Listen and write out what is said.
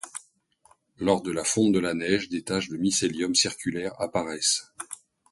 Lors de la fonte de la neige, des taches de mycélium circulaires apparaissent.